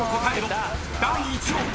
第１問］